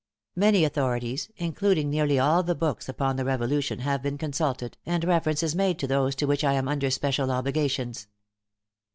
Many authorities, including nearly all the books upon the Revolution, have been consulted, and reference is made to those to which I am under special obligations.